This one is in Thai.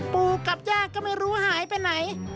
ปู่กับย่าก็ไม่รู้หายไปไหน